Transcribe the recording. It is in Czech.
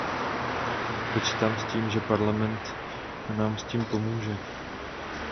Počítám s tím, že Parlament nám s tím pomůže.